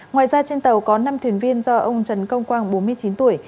ngoài ra trên tàu có năm thuyền viên do ông trần công quang bốn mươi chín tuổi